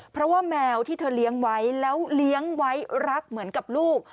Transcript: เพราะว่าแมวที่เธอเลี้ยงไว้แล้วเลี้ยงไว้รักเหมือนกับลูก